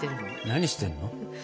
何してるの？